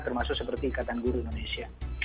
termasuk seperti ikatan guru indonesia